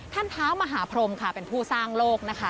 เท้ามหาพรมค่ะเป็นผู้สร้างโลกนะคะ